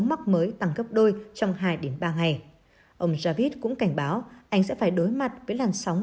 mắc mới tăng gấp đôi trong hai ba ngày ông javid cũng cảnh báo anh sẽ phải đối mặt với làn sóng